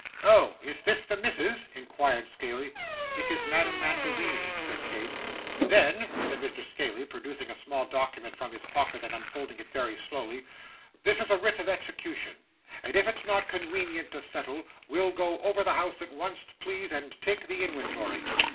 'Oh! Is this the missis?' inquired Scaley. 'It is Madame Mantalini,' said Kate. 'Then,' said Mr. Scaley, producing a small document from his pocket and unfolding it very slowly, 'this is a writ of execution, and if it's not conwenient to settle we'll go over the house at wunst, please, and take the inwentory.